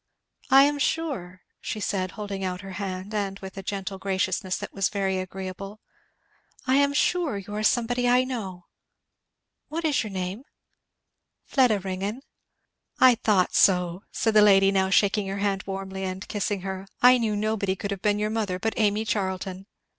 "I am sure," she said, holding out her hand, and with a gentle graciousness that was very agreeable, "I am sure you are somebody I know. What is your name?" "Fleda Ringgan." "I thought so!" said the lady, now shaking her hand warmly and kissing her, "I knew nobody could have been your mother but Amy Charlton!